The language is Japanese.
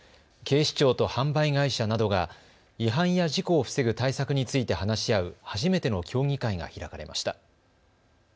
警視庁と販売会社などが違反や事故を防ぐ対策について話し合う初めての協議会が開かれました。